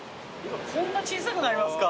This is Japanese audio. こんな小さくなりますか？